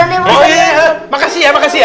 abis dari kamar mandi ustaz